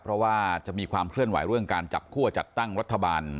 เพราะว่าจะมีความเคลื่อนไหวเรื่องการจับคั่วจัดตั้งรัฐบาล